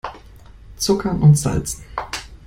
Zuckern und Salzen!